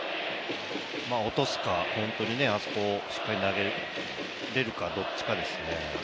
落とすか、本当にあそこをしっかり投げきれるかどうかですね。